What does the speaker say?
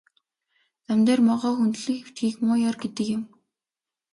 Зам дээр могой хөндлөн хэвтэхийг муу ёр гэдэг юм.